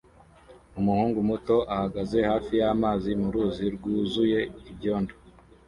Umuhungu muto ahagaze hafi y'amazi mu ruzi rwuzuye ibyondo